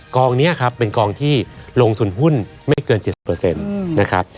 กองนี้ครับเป็นกองที่ลงทุนหุ้นไม่เกิน๗๐นะครับ